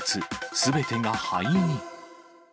すべてが灰に。